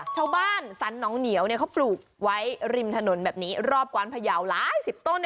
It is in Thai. สันน้องเหนียวเขาปลูกไว้ริมถนนแบบนี้รอบกวานพยาวหลายสิบต้น